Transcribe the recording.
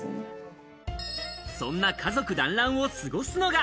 そんな家族だんらんを過ごすのが。